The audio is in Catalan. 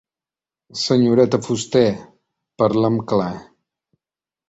Senyoreta Fuster, parlem clar.